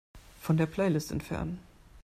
Von der Playlist entfernen.